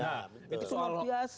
itu luar biasa